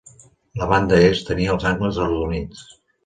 La banda est tenia els angles arrodonits.